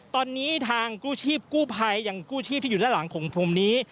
ตอนนี้ทางกู้ชีพกู้ภัยอย่างกู้ชีพที่อยู่ด้านหลังของพรมนี้